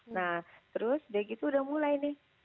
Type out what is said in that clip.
nah terus udah gitu udah mulai nih